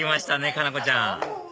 佳菜子ちゃん